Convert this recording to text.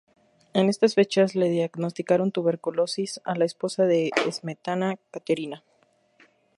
En estas fechas le diagnosticaron tuberculosis a la esposa de Smetana, Kateřina.